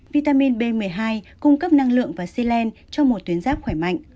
vitamin b một mươi hai cung cấp năng lượng và cellene cho một tuyến giáp khỏe mạnh